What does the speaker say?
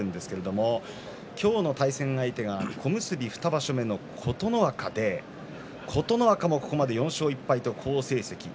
今日の対戦相手は小結２場所目の琴ノ若で琴ノ若もここまで４勝１敗と好成績。